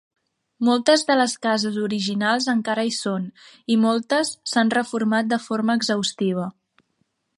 Moltes de les cases originals encara hi són i moltes s"han reformat de forma exhaustiva.